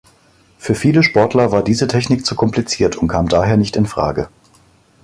Für viele Sportler war diese Technik zu kompliziert und kam daher nicht in Frage.